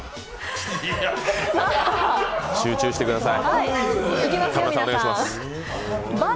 集中してください。